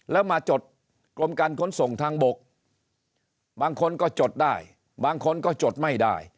แล้วมาจดกรมการขนส่งทางบกบางคนก็จดได้บางคนก็จดไม่ได้